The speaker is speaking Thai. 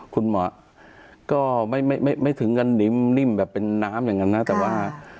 คุณหมอก็ไม่ถึงกันนิ่มแบบเป็นน้ำอย่างนั้นนะแต่ว่า